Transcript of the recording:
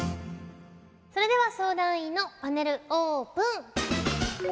それでは相談員のパネルオープン。